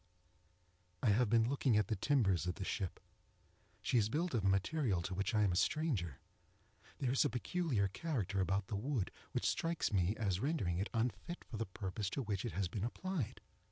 I have been looking at the timbers of the ship. She is built of a material to which I am a stranger. There is a peculiar character about the wood which strikes me as rendering it unfit for the purpose to which it has been applied.